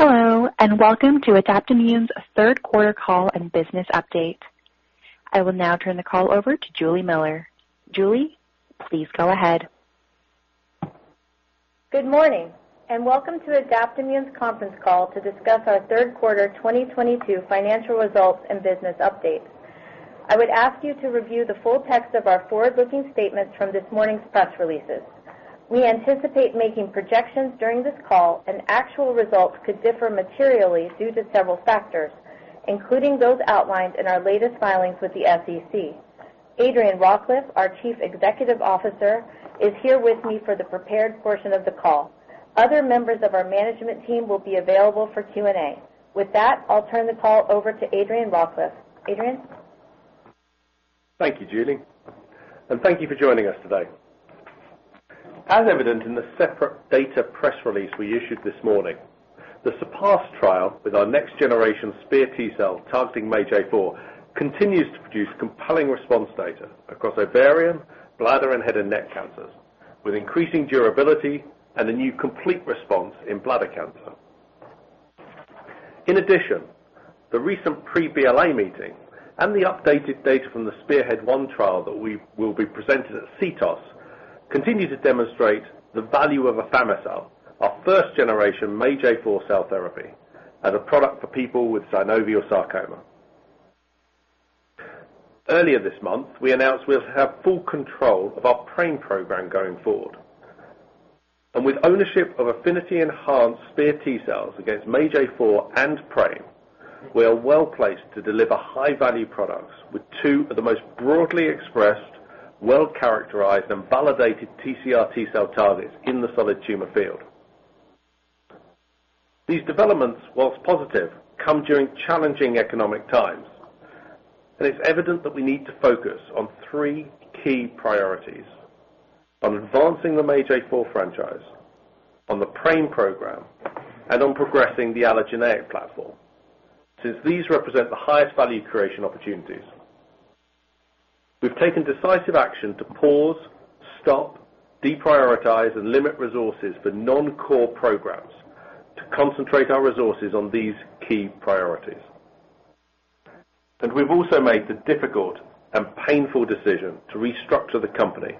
Hello, and welcome to Adaptimmune's third quarter call and business update. I will now turn the call over to Juli Miller. Juli, please go ahead. Good morning, and welcome to Adaptimmune's conference call to discuss our third quarter 2022 financial results and business updates. I would ask you to review the full text of our forward-looking statements from this morning's press releases. We anticipate making projections during this call, and actual results could differ materially due to several factors, including those outlined in our latest filings with the SEC. Adrian Rawcliffe, our Chief Executive Officer, is here with me for the prepared portion of the call. Other members of our management team will be available for Q&A. With that, I'll turn the call over to Adrian Rawcliffe. Adrian? Thank you, Julie. Thank you for joining us today. As evident in the separate data press release we issued this morning, the SURPASS trial with our next-generation SPEAR T-cell targeting MAGE-A4 continues to produce compelling response data across ovarian, bladder, and head and neck cancers, with increasing durability and a new complete response in bladder cancer. In addition, the recent pre-BLA meeting and the updated data from the SPEARHEAD-1 trial that we will be presenting at CTOS continue to demonstrate the value of afami-cel, our first generation MAGE-A4 cell therapy and a product for people with synovial sarcoma. Earlier this month, we announced we'll have full control of our PRIME program going forward. With ownership of affinity enhanced SPEAR T-cells against MAGE-A4 and PRIME, we are well-placed to deliver high-value products with two of the most broadly expressed, well-characterized and validated TCR T-cell targets in the solid tumor field. These developments, while positive, come during challenging economic times, and it's evident that we need to focus on three key priorities, advancing the MAGE-A4 franchise, the PRIME program, and progressing the allogeneic platform, since these represent the highest value creation opportunities. We've taken decisive action to pause, stop, deprioritize, and limit resources for non-core programs to concentrate our resources on these key priorities. We've also made the difficult and painful decision to restructure the company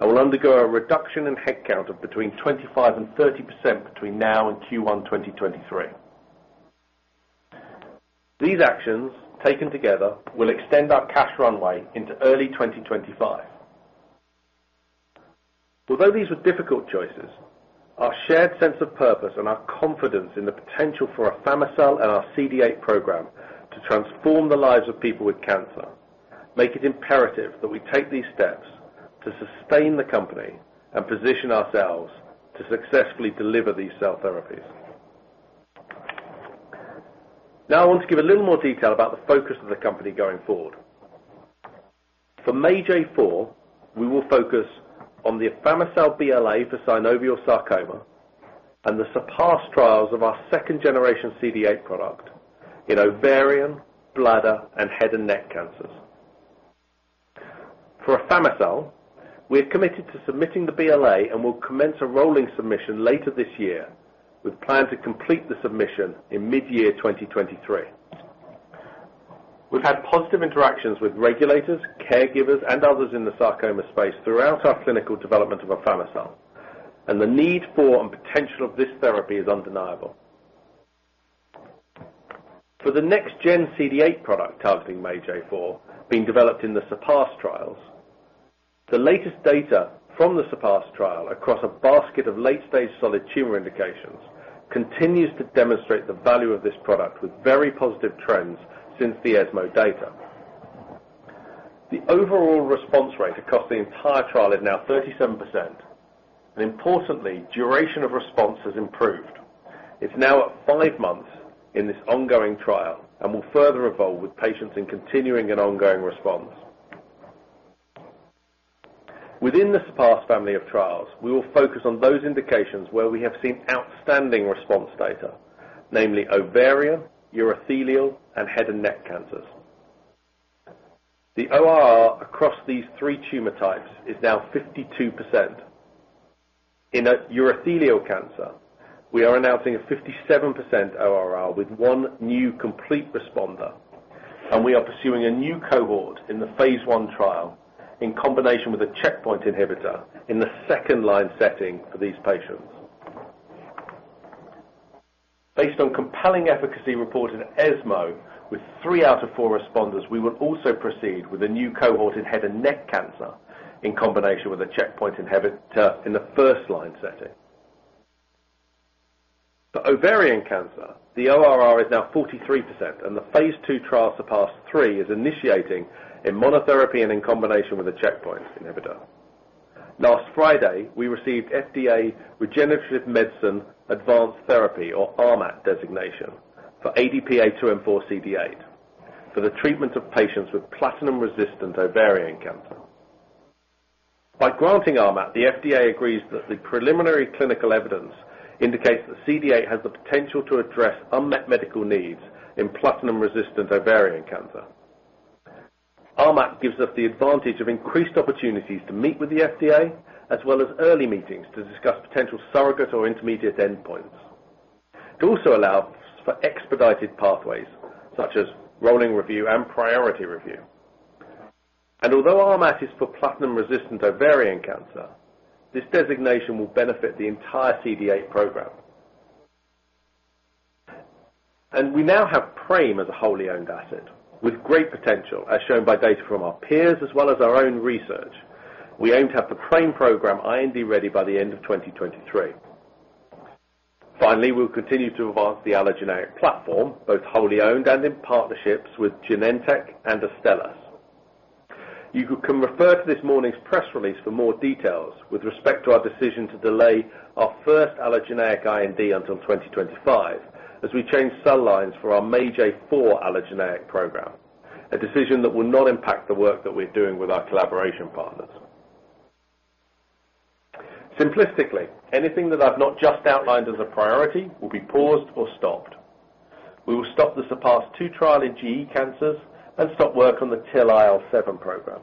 and will undergo a reduction in headcount of between 25% and 30% between now and Q1 2023. These actions taken together will extend our cash runway into early 2025. Although these were difficult choices, our shared sense of purpose and our confidence in the potential for afami-cel and our CD8 program to transform the lives of people with cancer, make it imperative that we take these steps to sustain the company and position ourselves to successfully deliver these cell therapies. Now I want to give a little more detail about the focus of the company going forward. For MAGE-A4, we will focus on the afami-cel BLA for synovial sarcoma and the SURPASS trials of our second generation CD8 product in ovarian, bladder, and head and neck cancers. For afami-cel, we are committed to submitting the BLA and will commence a rolling submission later this year. We plan to complete the submission in mid-2023. We've had positive interactions with regulators, caregivers, and others in the sarcoma space throughout our clinical development of afami-cel, and the need for and potential of this therapy is undeniable. For the next gen CD8 product targeting MAGE-A4 being developed in the SURPASS trials, the latest data from the SURPASS trial across a basket of late-stage solid tumor indications continues to demonstrate the value of this product with very positive trends since the ESMO data. The overall response rate across the entire trial is now 37%, and importantly, duration of response has improved. It's now at five months in this ongoing trial and will further evolve with patients in continuing and ongoing response. Within the SURPASS family of trials, we will focus on those indications where we have seen outstanding response data, namely ovarian, urothelial, and head and neck cancers. The ORR across these three tumor types is now 52%. In urothelial cancer, we are announcing a 57% ORR with one new complete responder, and we are pursuing a new cohort in the phase 1 trial in combination with a checkpoint inhibitor in the second line setting for these patients. Based on compelling efficacy reported at ESMO with three out of four responders, we will also proceed with a new cohort in head and neck cancer in combination with a checkpoint inhibitor in the first line setting. For ovarian cancer, the ORR is now 43%, and the phase 2 trial SURPASS-3 is initiating in monotherapy and in combination with a checkpoint inhibitor. Last Friday, we received FDA Regenerative Medicine Advanced Therapy or RMAT designation for ADP-A2M4CD8 for the treatment of patients with platinum-resistant ovarian cancer. By granting RMAT, the FDA agrees that the preliminary clinical evidence indicates that CD8 has the potential to address unmet medical needs in platinum-resistant ovarian cancer. RMAT gives us the advantage of increased opportunities to meet with the FDA, as well as early meetings to discuss potential surrogate or intermediate endpoints. It also allows for expedited pathways such as rolling review and priority review. Although RMAT is for platinum-resistant ovarian cancer, this designation will benefit the entire CD8 program. We now have PRAME as a wholly owned asset with great potential, as shown by data from our peers as well as our own research. We aim to have the PRAME program IND-ready by the end of 2023. Finally, we'll continue to advance the allogeneic platform, both wholly owned and in partnerships with Genentech and Astellas. You can refer to this morning's press release for more details with respect to our decision to delay our first allogeneic IND until 2025 as we change cell lines for our MAGE-A4 allogeneic program, a decision that will not impact the work that we're doing with our collaboration partners. Simplistically, anything that I've not just outlined as a priority will be paused or stopped. We will stop the SURPASS-2 trial in GE cancers and stop work on the TIL IL-7 program.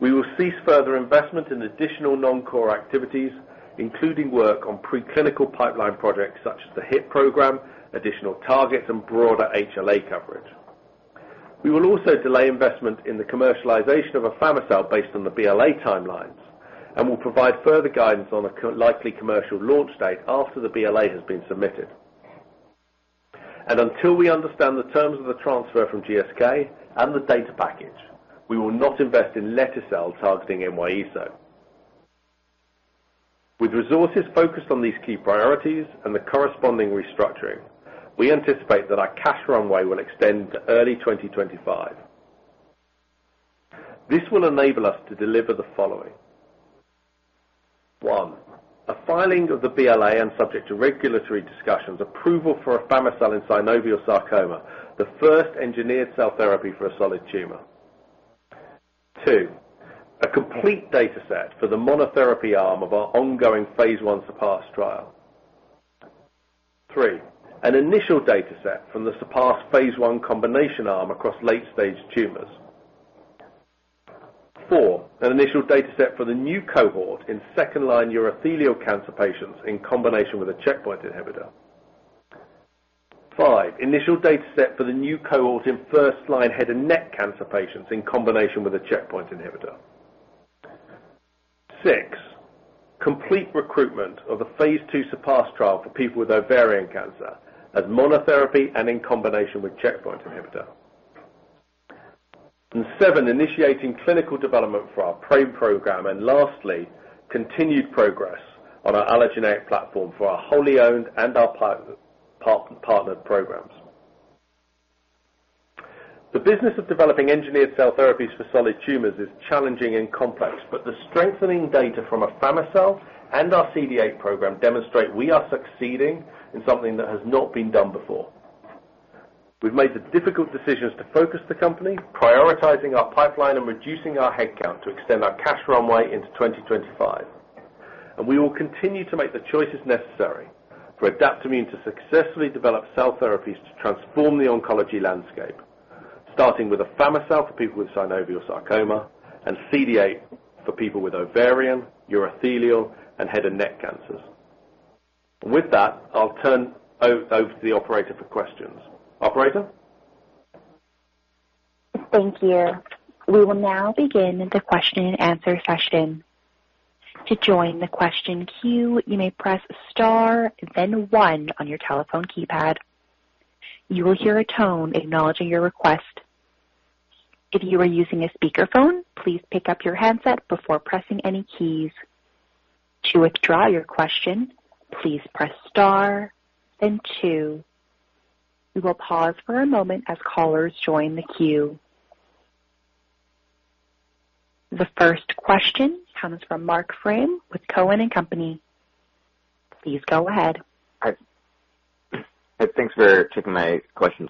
We will cease further investment in additional non-core activities, including work on pre-clinical pipeline projects such as the HiT program, additional targets and broader HLA coverage. We will also delay investment in the commercialization of afami-cel based on the BLA timelines, and we'll provide further guidance on a likely commercial launch date after the BLA has been submitted. Until we understand the terms of the transfer from GSK and the data package, we will not invest in lete-cel targeting NY-ESO. With resources focused on these key priorities and the corresponding restructuring, we anticipate that our cash runway will extend to early 2025. This will enable us to deliver the following. One, a filing of the BLA and subject to regulatory discussions, approval for afami-cel in synovial sarcoma, the first engineered cell therapy for a solid tumor. Two, a complete dataset for the monotherapy arm of our ongoing phase 1 SURPASS trial. Three, an initial dataset from the SURPASS phase 1 combination arm across late-stage tumors. Four, an initial dataset for the new cohort in second-line urothelial cancer patients in combination with a checkpoint inhibitor. Five, initial dataset for the new cohort in first-line head and neck cancer patients in combination with a checkpoint inhibitor. 6, complete recruitment of the phase 2 SURPASS trial for people with ovarian cancer as monotherapy and in combination with checkpoint inhibitor. 7, initiating clinical development for our PRAME program, and lastly, continued progress on our allogeneic platform for our wholly owned and our partnered programs. The business of developing engineered cell therapies for solid tumors is challenging and complex, but the strengthening data from afami-cel and our CD8 program demonstrate we are succeeding in something that has not been done before. We've made the difficult decisions to focus the company, prioritizing our pipeline and reducing our headcount to extend our cash runway into 2025. We will continue to make the choices necessary for Adaptimmune to successfully develop cell therapies to transform the oncology landscape, starting with afami-cel for people with synovial sarcoma and CD8 for people with ovarian, urothelial, and head and neck cancers. With that, I'll turn over to the operator for questions. Operator? Thank you. We will now begin the question-and-answer session. To join the question queue, you may press star then one on your telephone keypad. You will hear a tone acknowledging your request. If you are using a speakerphone, please pick up your handset before pressing any keys. To withdraw your question, please press star then two. We will pause for a moment as callers join the queue. The first question comes from Marc Frahm with Cowen and Company. Please go ahead. Hi. Thanks for taking my questions.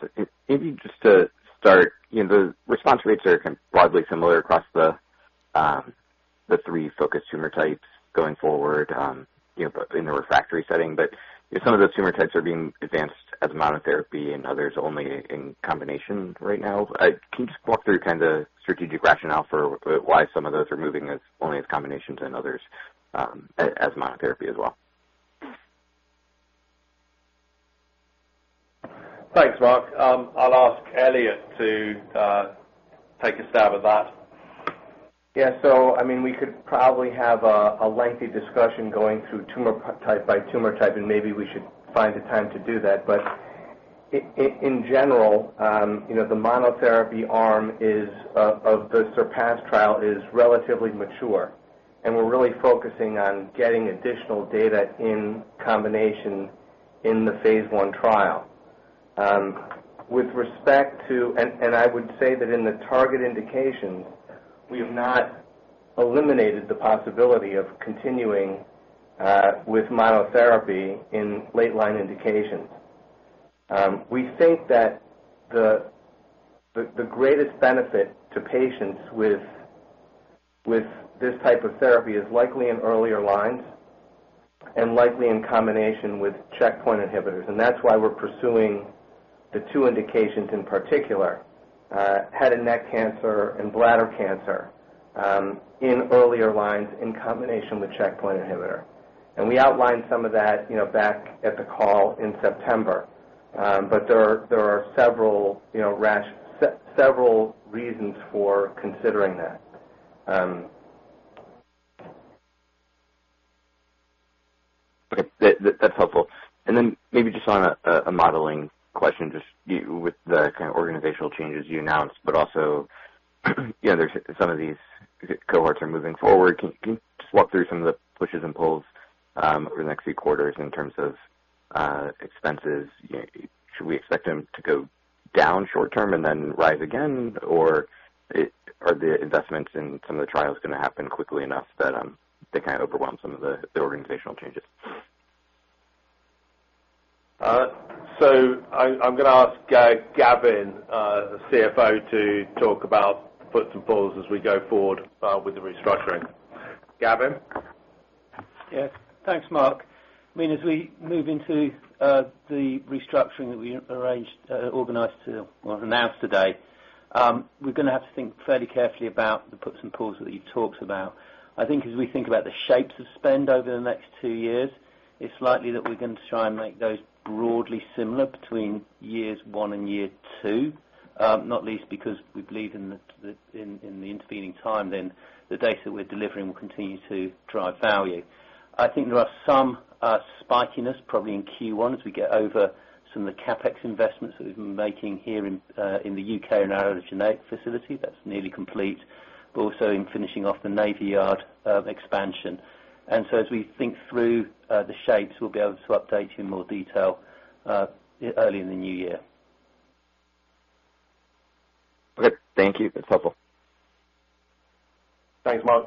Maybe just to start, you know, the response rates are kind of broadly similar across the three focused tumor types going forward, you know, being in the refractory setting. If some of those tumor types are being advanced as monotherapy and others only in combination right now, can you just walk through kind of strategic rationale for why some of those are moving only as combinations and others as monotherapy as well? Thanks, Mark. I'll ask Elliot to take a stab at that. Yeah. I mean, we could probably have a lengthy discussion going through tumor type by tumor type, and maybe we should find the time to do that. In general, you know, the monotherapy arm of the SURPASS trial is relatively mature, and we're really focusing on getting additional data in combination in the phase 1 trial. With respect to, I would say that in the target indications, we have not eliminated the possibility of continuing with monotherapy in late-line indications. We think that the greatest benefit to patients with this type of therapy is likely in earlier lines and likely in combination with checkpoint inhibitors. That's why we're pursuing the two indications, in particular, head and neck cancer and bladder cancer, in earlier lines in combination with checkpoint inhibitor. We outlined some of that, you know, back at the call in September. There are several, you know, reasons for considering that. That's helpful. Maybe just on a modeling question with the kinda organizational changes you announced, but also, you know, there's some of these cohorts are moving forward. Can you just walk through some of the pushes and pulls over the next few quarters in terms of expenses? Should we expect them to go down short term and then rise again? Or are the investments in some of the trials gonna happen quickly enough that they kinda overwhelm some of the organizational changes? I'm gonna ask Gavin, the CFO, to talk about push and pull as we go forward with the restructuring. Gavin? Yes. Thanks, Marc. I mean, as we move into the restructuring that we arranged or announced today, we're gonna have to think fairly carefully about the puts and pulls that you talked about. I think as we think about the shapes of spend over the next two years, it's likely that we're going to try and make those broadly similar between years one and year two, not least because we believe in the intervening time the data we're delivering will continue to drive value. I think there are some spikiness probably in Q1 as we get over some of the CapEx investments that we've been making here in the UK and our genetic facility that's nearly complete, but also in finishing off the Navy Yard expansion. As we think through the shapes, we'll be able to update you in more detail early in the new year. Okay. Thank you. That's helpful. Thanks, Marc.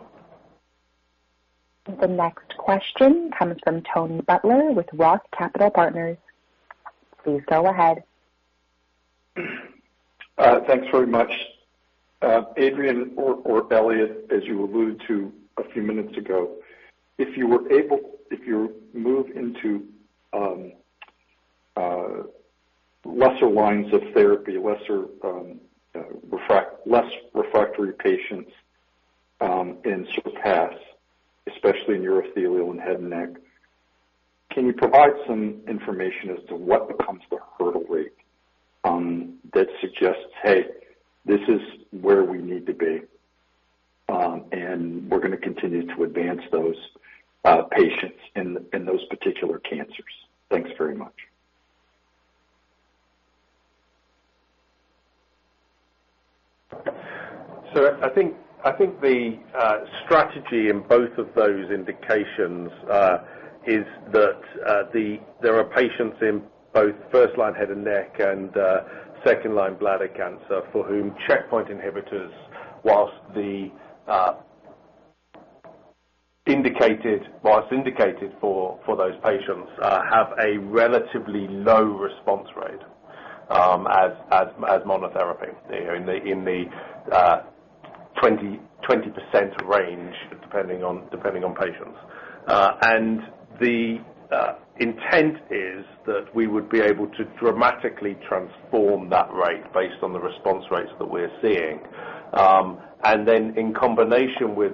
The next question comes from Tony Butler with ROTH Capital Partners. Please go ahead. Thanks very much. Adrian or Elliot, as you alluded to a few minutes ago, if you move into lesser lines of therapy, less refractory patients, in SURPASS, especially in urothelial and head and neck, can you provide some information as to what becomes the hurdle rate that suggests, hey, this is where we need to be, and we're gonna continue to advance those patients in those particular cancers? Thanks very much. I think the strategy in both of those indications is that there are patients in both first-line head and neck and second-line bladder cancer for whom checkpoint inhibitors, while indicated for those patients, have a relatively low response rate as monotherapy. You know, in the 20% range, depending on patients. The intent is that we would be able to dramatically transform that rate based on the response rates that we're seeing. In combination with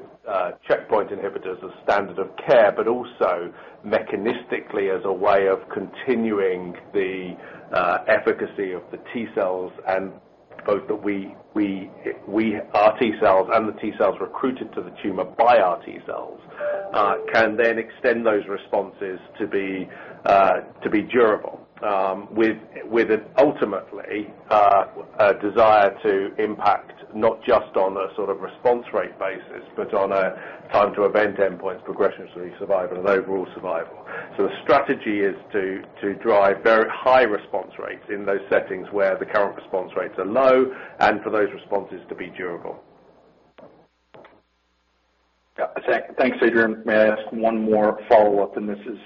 checkpoint inhibitors as standard of care, but also mechanistically as a way of continuing the efficacy of the T cells and both that our T cells and the T cells recruited to the tumor by our T cells can then extend those responses to be durable with an ultimate desire to impact not just on a sort of response rate basis, but on a time to event endpoints, progression-free survival and overall survival. The strategy is to drive very high response rates in those settings where the current response rates are low and for those responses to be durable. Yeah. Thanks, Adrian. May I ask one more follow-up, and this is,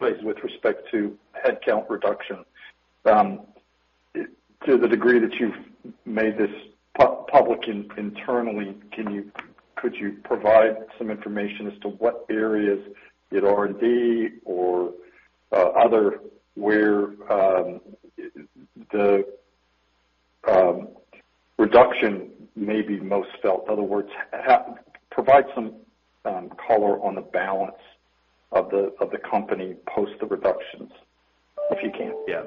Please. With respect to headcount reduction. To the degree that you've made this public internally, can you provide some information as to what areas in R&D or other where the reduction may be most felt? In other words, provide some color on the balance of the company post the reductions, if you can. Yeah.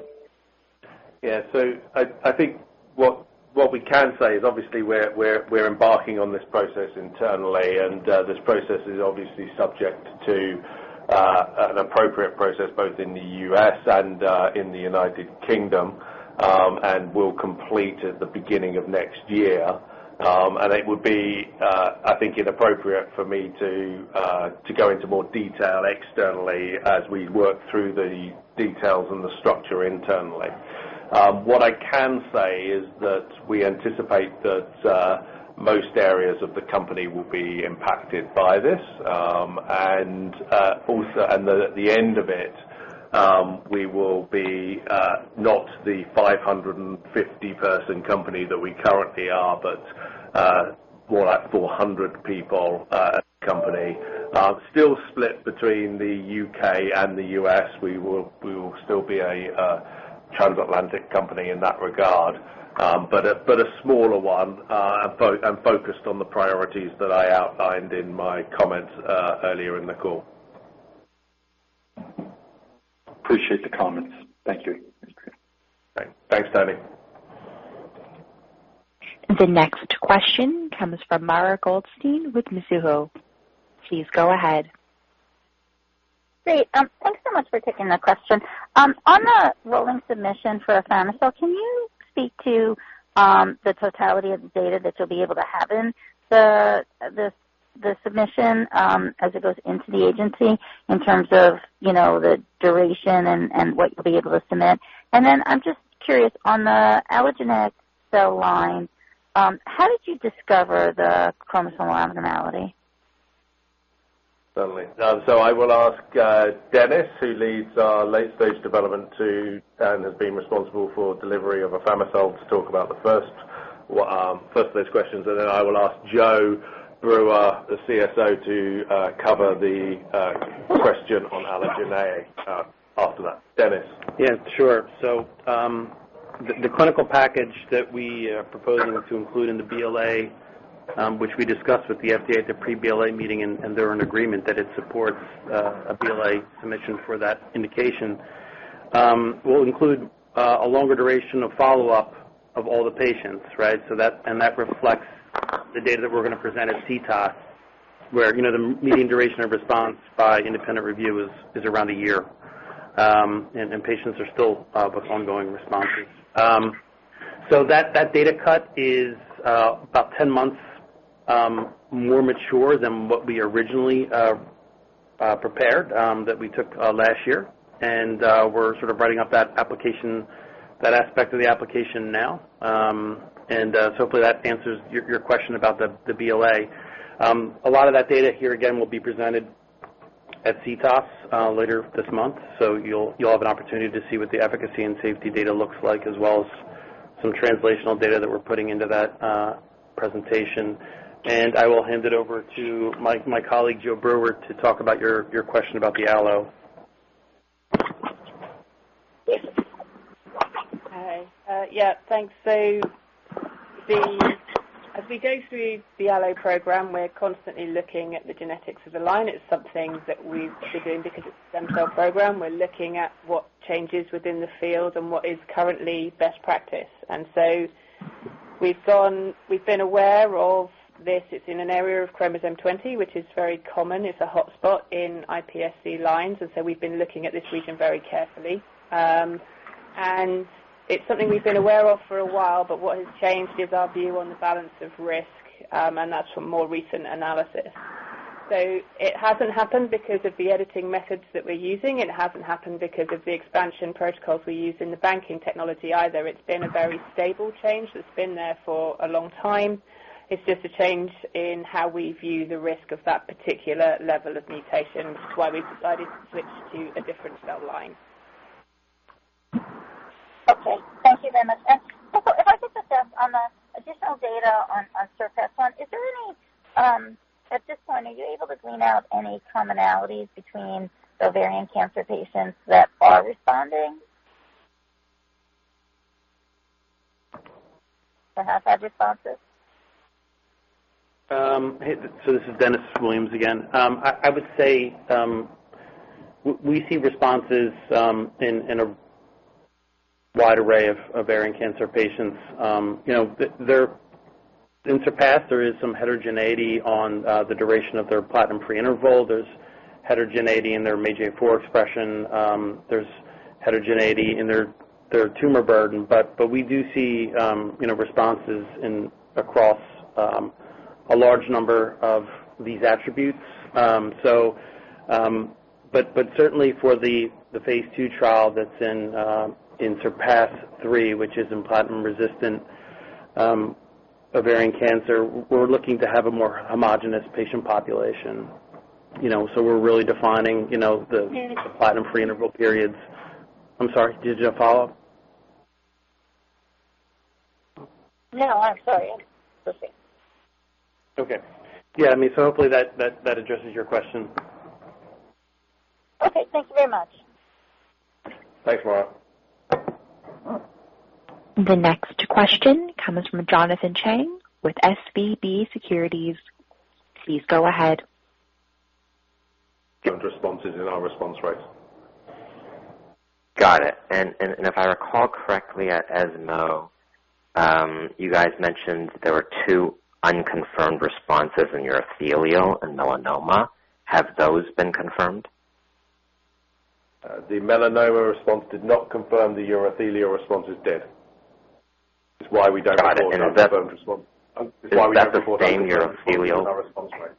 I think what we can say is obviously we're embarking on this process internally, and this process is obviously subject to an appropriate process both in the U.S. and in the United Kingdom, and will complete at the beginning of next year. It would be, I think, inappropriate for me to go into more detail externally as we work through the details and the structure internally. What I can say is that we anticipate that most areas of the company will be impacted by this. Also, at the end of it, we will be not the 550-person company that we currently are, but more like 400-person company. Still split between the U.K. and the U.S. We will still be a transatlantic company in that regard, but a smaller one, and focused on the priorities that I outlined in my comments earlier in the call. Appreciate the comments. Thank you. Great. Thanks, Tony. The next question comes from Mara Goldstein with Mizuho. Please go ahead. Great. Thanks so much for taking the question. On the rolling submission for afami-cel, can you speak to the totality of the data that you'll be able to have in the submission as it goes into the agency in terms of, you know, the duration and what you'll be able to submit? I'm just curious, on the allogeneic cell line, how did you discover the chromosomal abnormality? Certainly. I will ask, Dennis, who leads our late-stage development and has been responsible for delivery of afami-cel, to talk about the first of those questions. I will ask Joanna Brewer, the CSO, to cover the question on allogeneic after that. Dennis. Yeah, sure. The clinical package that we are proposing to include in the BLA, which we discussed with the FDA at the pre-BLA meeting, and they're in agreement that it supports a BLA submission for that indication, will include a longer duration of follow-up of all the patients, right? That reflects the data that we're gonna present at CTOS, where, you know, the median duration of response by independent review is around a year, and patients are still with ongoing responses. That data cut is about 10 months more mature than what we originally prepared that we took last year. We're sort of writing up that application, that aspect of the application now. Hopefully that answers your question about the BLA. A lot of that data here again will be presented at CTOS later this month. You'll have an opportunity to see what the efficacy and safety data looks like, as well as some translational data that we're putting into that presentation. I will hand it over to my colleague, Joanna Brewer, to talk about your question about the allo. Hi. Yeah. Thanks. As we go through the allo program, we're constantly looking at the genetics of the line. It's something that we should do because it's a stem cell program. We're looking at what changes within the field and what is currently best practice. We've been aware of this. It's in an area of chromosome 20, which is very common. It's a hotspot in iPSC lines, and so we've been looking at this region very carefully. It's something we've been aware of for a while, but what has changed is our view on the balance of risk, and that's from more recent analysis. It hasn't happened because of the editing methods that we're using. It hasn't happened because of the expansion protocols we use in the banking technology either. It's been a very stable change that's been there for a long time. It's just a change in how we view the risk of that particular level of mutation, which is why we've decided to switch to a different cell line. Okay. Thank you very much. If I could just on the additional data on SURPASS-1. At this point, are you able to glean out any commonalities between ovarian cancer patients that are responding? That have had responses. This is Dennis Williams again. I would say we see responses in a wide array of ovarian cancer patients. You know, they're in SURPASS, there is some heterogeneity on the duration of their platinum-free interval. There's heterogeneity in their MAGE-A4 expression. There's heterogeneity in their tumor burden. But we do see you know responses across a large number of these attributes. Certainly for the phase 2 trial that's in SURPASS-3, which is in platinum-resistant ovarian cancer, we're looking to have a more homogeneous patient population. You know, we're really defining you know the And- the platinum-free interval periods. I'm sorry. Did you have follow-up? No, I'm sorry. Okay. Yeah, I mean, hopefully that addresses your question. Okay, thank you very much. Thanks, Mara. The next question comes from Jonathan Chang with SVB Securities. Please go ahead. Current responses in our response rates. Got it. If I recall correctly at ESMO, you guys mentioned there were two unconfirmed responses in urothelial and melanoma. Have those been confirmed? The melanoma response did not confirm. The urothelial responses did. It's why we don't- Got it. Is that- Report unconfirmed response. It's why we don't report unconfirmed responses in our response rate.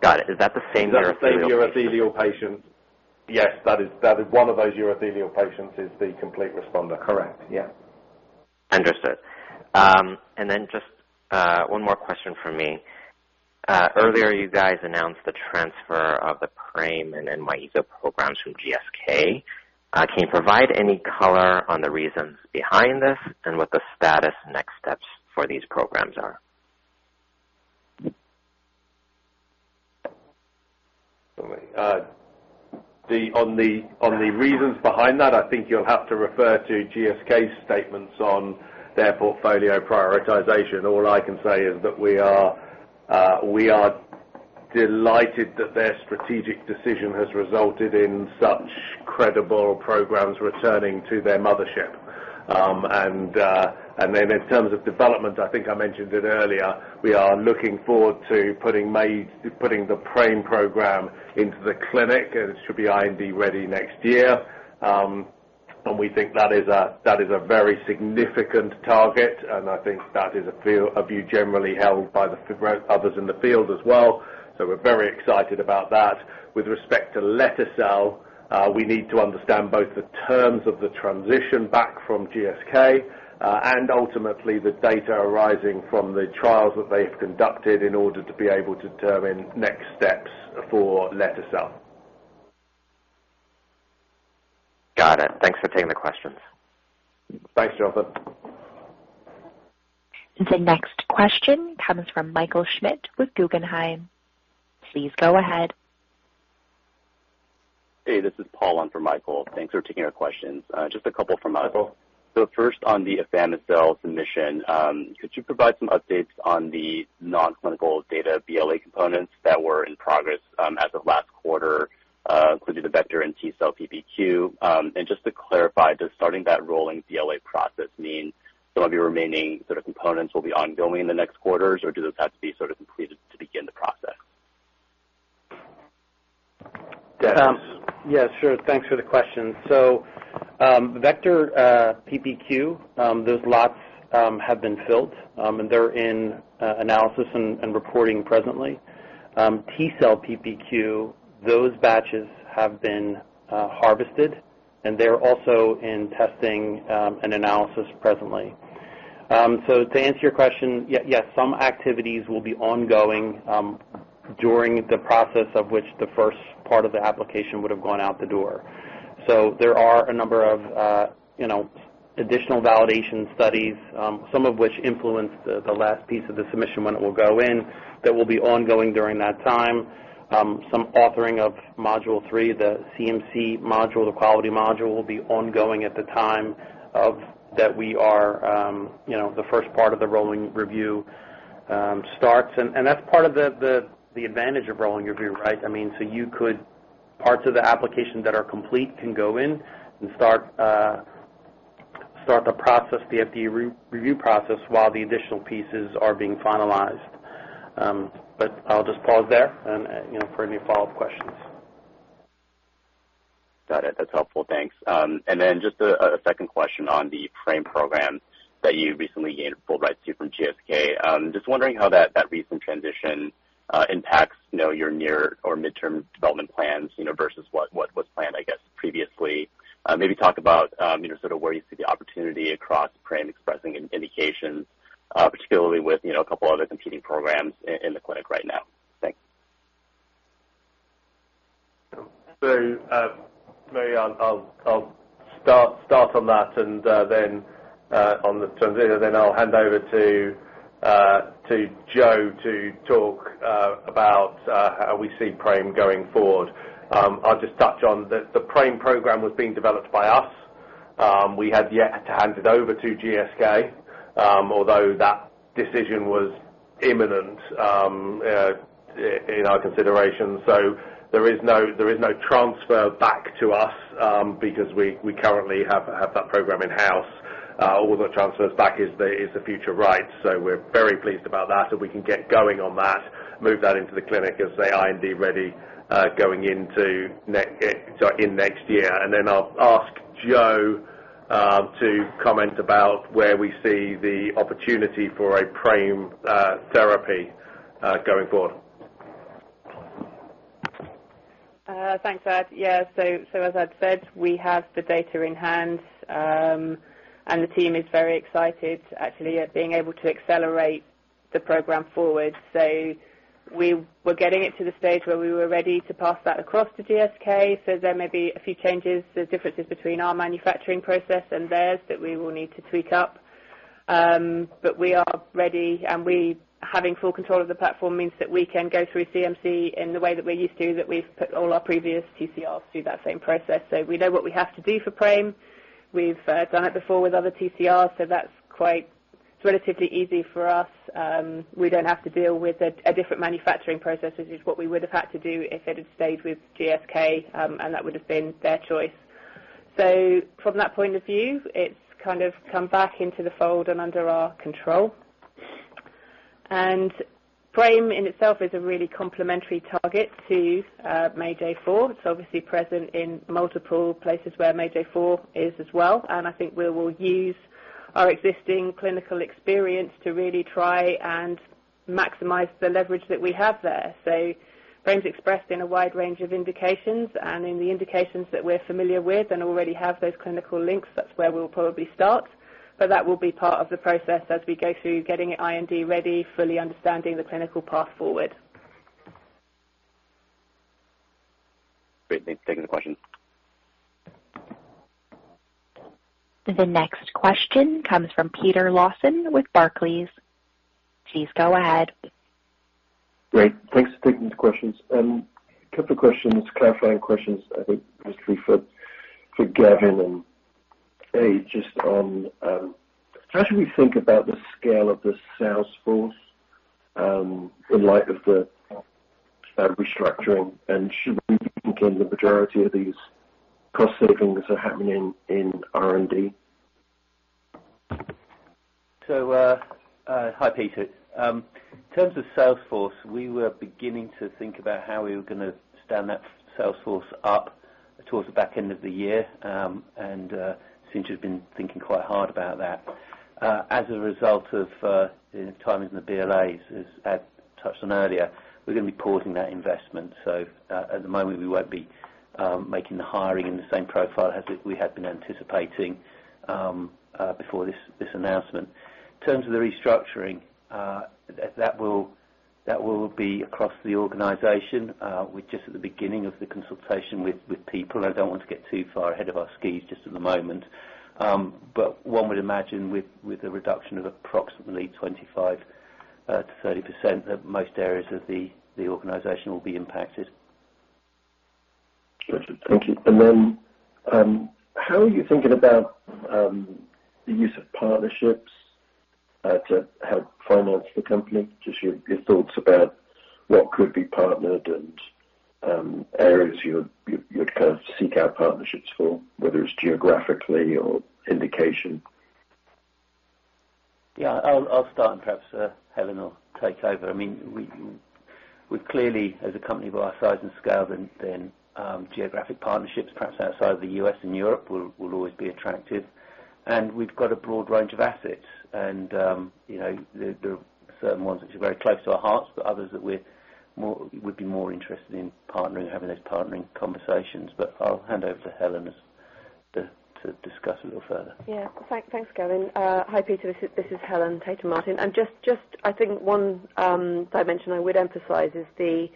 Got it. Is that the same urothelial- Is that the same urothelial patient? Yes, that is one of those urothelial patients is the complete responder. Correct. Yeah. Understood. Then just one more question from me. Earlier you guys announced the transfer of the PRAME and NY-ESO programs from GSK. Can you provide any color on the reasons behind this and what the status next steps for these programs are? On the reasons behind that, I think you'll have to refer to GSK statements on their portfolio prioritization. All I can say is that we are delighted that their strategic decision has resulted in such credible programs returning to their mothership. Then in terms of development, I think I mentioned it earlier, we are looking forward to putting the PRIME program into the clinic, and it should be IND ready next year. We think that is a very significant target, and I think that is a view generally held by others in the field as well. We're very excited about that. With respect to lete-cel, we need to understand both the terms of the transition back from GSK, and ultimately the data arising from the trials that they have conducted in order to be able to determine next steps for lete-cel. Got it. Thanks for taking the questions. Thanks, Jonathan. The next question comes from Michael Schmidt with Guggenheim. Please go ahead. Hey, this is Paul on for Michael. Thanks for taking our questions. Just a couple from Michael. First on the afami-cel submission, could you provide some updates on the non-clinical data BLA components that were in progress, as of last quarter, including the vector and T-cell PPQ? And just to clarify, does starting that rolling BLA process mean some of your remaining sort of components will be ongoing in the next quarters, or do those have to be sort of completed to begin the process? Yes. Yeah, sure. Thanks for the question. Vector PPQ, those lots have been filled, and they're in analysis and recording presently. T-cell PPQ, those batches have been harvested, and they're also in testing and analysis presently. To answer your question, yes, some activities will be ongoing during the process of which the first part of the application would have gone out the door. There are a number of, you know, additional validation studies, some of which influence the last piece of the submission when it will go in, that will be ongoing during that time. Some authoring of Module 3, the CMC module, the quality module, will be ongoing at the time that we are, you know, the first part of the rolling review starts. That's part of the advantage of rolling review, right? I mean, you could. Parts of the application that are complete can go in and start the process, the FDA re-review process while the additional pieces are being finalized. I'll just pause there and you know, for any follow-up questions. Got it. That's helpful. Thanks. And then just a second question on the PRIME program that you recently gained full rights to from GSK. Just wondering how that recent transition impacts, you know, your near or midterm development plans, you know, versus what was planned, I guess previously. Maybe talk about, you know, sort of where you see the opportunity across PRIME-expressing indications, particularly with, you know, a couple other competing programs in the clinic right now. Thanks. Maybe I'll start on that and then on the terms, and then I'll hand over to Jo to talk about how we see PRIME going forward. I'll just touch on the PRIME program was being developed by us. We have yet to hand it over to GSK, although that decision was imminent in our consideration. There is no transfer back to us because we currently have that program in-house. All the transfers back is the future rights. We're very pleased about that, and we can get going on that, move that into the clinic as the IND ready, going into next year. I'll ask Jo to comment about where we see the opportunity for a PRIME therapy going forward. Thanks, Ed. Yeah, as I'd said, we have the data in hand, and the team is very excited actually at being able to accelerate the program forward. We were getting it to the stage where we were ready to pass that across to GSK. There may be a few changes, the differences between our manufacturing process and theirs that we will need to tweak up. We are ready, and we have full control of the platform means that we can go through CMC in the way that we're used to, that we've put all our previous TCRs through that same process. We know what we have to do for PRIME. We've done it before with other TCRs, so that's quite relatively easy for us. We don't have to deal with a different manufacturing process. This is what we would have had to do if it had stayed with GSK, and that would have been their choice. From that point of view, it's kind of come back into the fold and under our control. PRIME in itself is a really complementary target to MAGE-A4. It's obviously present in multiple places where MAGE-A4 is as well, and I think we will use our existing clinical experience to really try and Maximize the leverage that we have there. PRAME's expressed in a wide range of indications and in the indications that we're familiar with and already have those clinical links, that's where we'll probably start. That will be part of the process as we go through getting IND ready, fully understanding the clinical path forward. Great. Thank you for the question. The next question comes from Peter Lawson with Barclays. Please go ahead. Great. Thanks for taking these questions. Couple of questions, clarifying questions, I think mostly for Gavin and just on how should we think about the scale of the sales force in light of the restructuring and should we be thinking the majority of these cost savings are happening in R&D? Hi, Peter. In terms of sales force, we were beginning to think about how we were gonna stand that sales force up towards the back end of the year. Since you've been thinking quite hard about that. As a result of the timings and the BLAs, as Ed touched on earlier, we're gonna be pausing that investment. At the moment, we won't be making the hiring in the same profile as we had been anticipating before this announcement. In terms of the restructuring, that will be across the organization. We're just at the beginning of the consultation with people. I don't want to get too far ahead of our skis just at the moment. One would imagine with a reduction of approximately 25%-30% that most areas of the organization will be impacted. Gotcha. Thank you. How are you thinking about the use of partnerships to help finance the company? Just your thoughts about what could be partnered and areas you'd kind of seek out partnerships for, whether it's geographically or indication. Yeah. I'll start, and perhaps Helen will take over. I mean, we clearly, as a company of our size and scale, then geographic partnerships, perhaps outside of the U.S. and Europe will always be attractive. We've got a broad range of assets. You know, there are certain ones which are very close to our hearts, but others that we'd be more interested in partnering, having those partnering conversations. I'll hand over to Helen to discuss a little further. Yeah. Thanks, Gavin. Hi, Peter. This is Helen Tayton-Martin. I think one dimension I would emphasize is the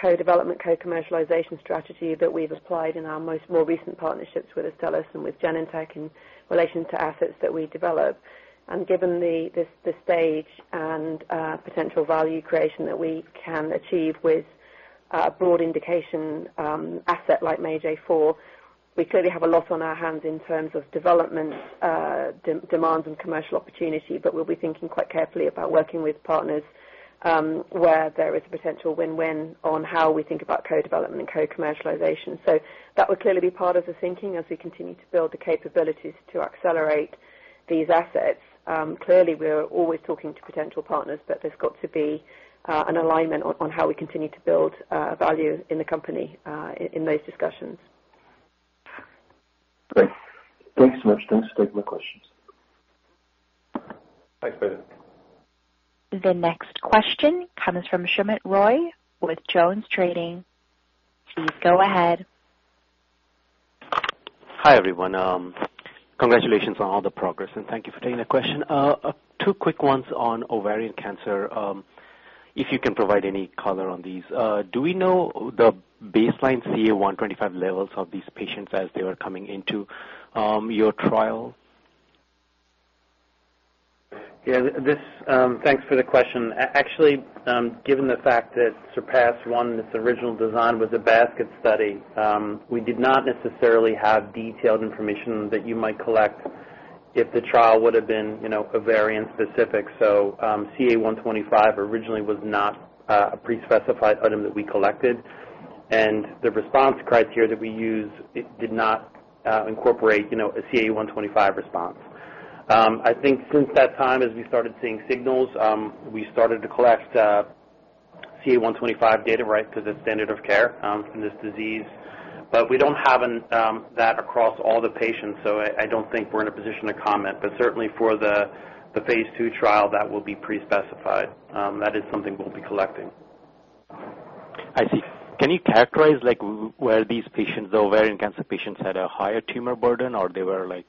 co-development, co-commercialization strategy that we've applied in our most recent partnerships with Astellas and with Genentech in relation to assets that we develop. Given the stage and potential value creation that we can achieve with a broad indication asset like MAGE-A4, we clearly have a lot on our hands in terms of development demands and commercial opportunity. We'll be thinking quite carefully about working with partners where there is a potential win-win on how we think about co-development and co-commercialization. That would clearly be part of the thinking as we continue to build the capabilities to accelerate these assets. Clearly, we're always talking to potential partners, but there's got to be an alignment on how we continue to build value in the company in those discussions. Great. Thanks so much. Those are my questions. Thanks, Peter. The next question comes from Soumit Roy with Jones Trading. Please go ahead. Hi, everyone. Congratulations on all the progress, and thank you for taking the question. Two quick ones on ovarian cancer, if you can provide any color on these. Do we know the baseline CA-125 levels of these patients as they were coming into your trial? Yeah. Thanks for the question. Actually, given the fact that SURPASS-1, its original design was a basket study, we did not necessarily have detailed information that you might collect if the trial would have been, you know, ovarian specific. CA-125 originally was not a pre-specified item that we collected. The response criteria that we used, it did not incorporate, you know, a CA-125 response. I think since that time, as we started seeing signals, we started to collect CA-125 data, right, 'cause it's standard of care in this disease. We don't have that across all the patients, I don't think we're in a position to comment. Certainly for the phase 2 trial, that will be pre-specified. That is something we'll be collecting. I see. Can you characterize, like, were these patients, the ovarian cancer patients, had a higher tumor burden or they were, like,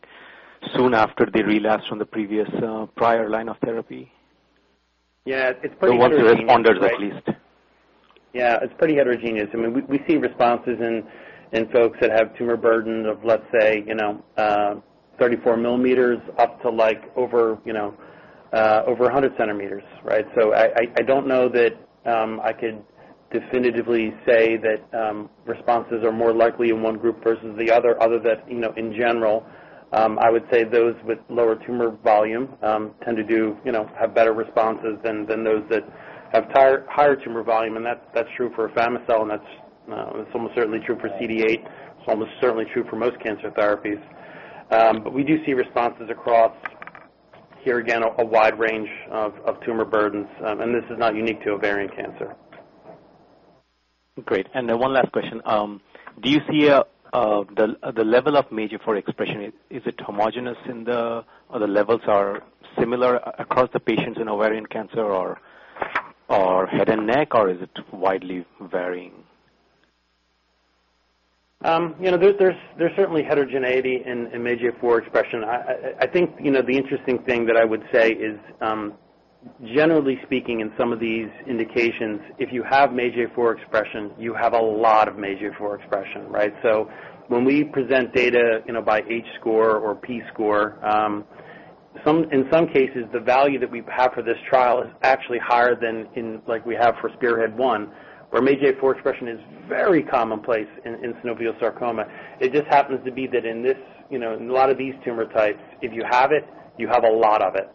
soon after they relapsed from the previous, prior line of therapy? Yeah. It's pretty heterogeneous. The ones who responded at least. Yeah. It's pretty heterogeneous. I mean, we see responses in folks that have tumor burden of, let's say, you know, 34 mm up to, like, over 100 cm, right? So I don't know that I could definitively say that responses are more likely in one group versus the other than, you know, in general, I would say those with lower tumor volume tend to do, you know, have better responses than those that have higher tumor volume. That's true for afami-cel, and that's almost certainly true for CD8. It's almost certainly true for most cancer therapies. We do see responses across, here again, a wide range of tumor burdens. This is not unique to ovarian cancer. Great. One last question. Do you see the level of MAGE-A4 expression? Is it homogeneous? Are the levels similar across the patients in ovarian cancer or head and neck, or is it widely varying? You know, there's certainly heterogeneity in MAGE-A4 expression. I think, you know, the interesting thing that I would say is, generally speaking, in some of these indications, if you have MAGE-A4 expression, you have a lot of MAGE-A4 expression, right? So when we present data, you know, by H-score or P score, in some cases, the value that we have for this trial is actually higher than in like we have for SPEARHEAD-1, where MAGE-A4 expression is very commonplace in synovial sarcoma. It just happens to be that in this, you know, in a lot of these tumor types, if you have it, you have a lot of it.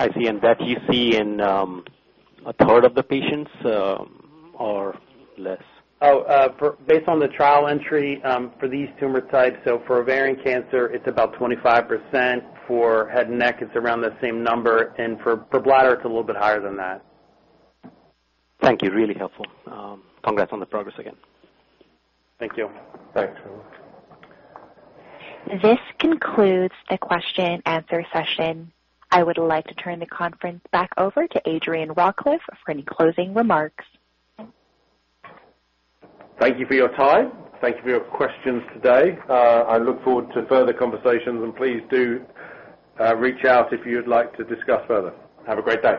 I see. That you see in a third of the patients, or less? Based on the trial entry, for these tumor types, so for ovarian cancer, it's about 25%. For head and neck, it's around the same number. For bladder, it's a little bit higher than that. Thank you. Really helpful. Congrats on the progress again. Thank you. Thanks. This concludes the question and answer session. I would like to turn the conference back over to Adrian Rawcliffe for any closing remarks. Thank you for your time. Thank you for your questions today. I look forward to further conversations, and please do reach out if you would like to discuss further. Have a great day.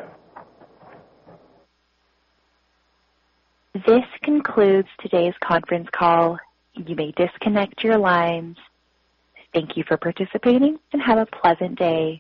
This concludes today's conference call. You may disconnect your lines. Thank you for participating, and have a pleasant day.